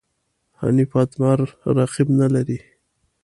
حنیف اتمر رقیب نه لري.